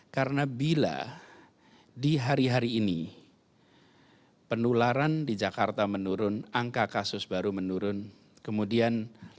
karena bila di hari hari ini penularan di jakarta menurun angka kasus baru menurun kemudian